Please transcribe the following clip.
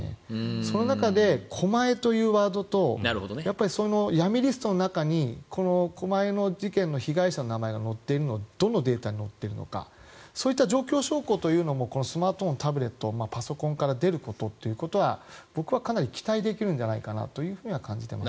その中で狛江というワードとその闇リストの中に狛江の事件の被害者の名前がどのデータに載っているのかそういった状況証拠というのもスマートフォン、タブレットパソコンから出るのが僕はかなり期待できるんじゃないかなというふうには感じています。